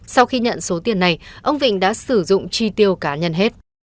sau khi nhận số tiền này ông vịnh đã sử dụng chi tiêu cá nhân hết